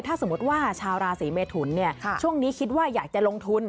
ถ้าสมมติว่าชาวราศีเมทุนช่วงนี้คิดว่าอยากจะลงทุน